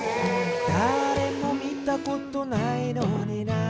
「だれもみたことないのにな」